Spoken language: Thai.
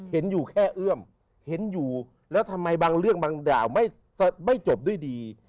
เห็นอยู่แค่เอื้อมเห็นอยู่แล้วทำไมบางเรื่องบางด่าวไม่จบด้วยดี